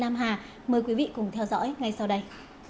mời quý vị cùng theo dõi ngay sau đây